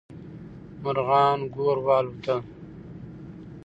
مارغان ګور والوتل.